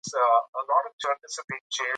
هغه څوک چې دلته کار کوي ټولنپوه دی.